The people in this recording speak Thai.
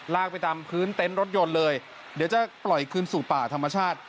ไปตามพื้นเต็นต์รถยนต์เลยเดี๋ยวจะปล่อยคืนสู่ป่าธรรมชาติ